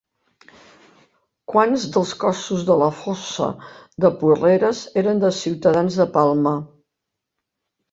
Quants dels cossos de la fossa de Porreres eren de ciutadans de Palma?